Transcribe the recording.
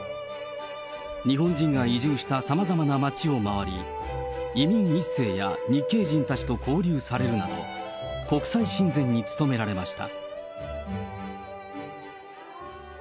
日本人が移住したさまざまな町を回り、移民一世や日系人たちと交流されるなど、国際親善に務められました。